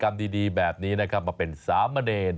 กิจกรรมดีแบบนี้มาเป็นสามเณร